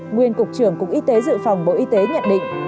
nguyên cục trưởng cục y tế dự phòng bộ y tế nhận định